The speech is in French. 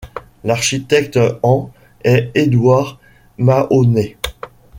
L'architecte en est Edward Mahoney.